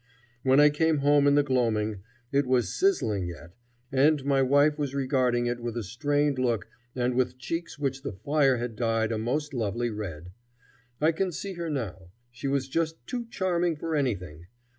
When I came home in the gloaming, it was sizzling yet, and my wife was regarding it with a strained look and with cheeks which the fire had dyed a most lovely red. I can see her now. She was just too charming for anything.